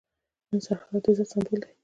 نن سرحدات د عزت سمبول دي.